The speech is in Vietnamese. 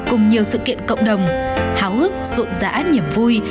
cùng nhiều sự kiện cộng đồng háo hức rộn rã niềm vui